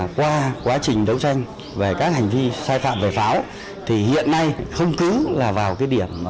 qua quá trình đấu tranh về các hành vi sai phạm về pháo thì hiện nay không cứ là vào cái điểm